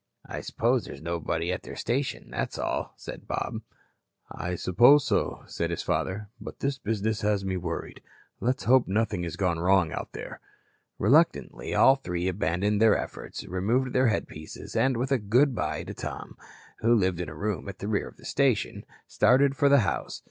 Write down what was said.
"I suppose there's nobody at their station, that's all," said Bob. "I suppose so," said his father. "But this business has me worried. Let's hope nothing has gone wrong out there." Reluctantly, all three abandoned their efforts, removed their headpieces, and with a "good bye" to Tom, who lived in a room at the rear of the station, started for the house.